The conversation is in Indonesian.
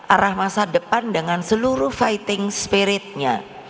arah masa depan dengan seluruh fighting spiritnya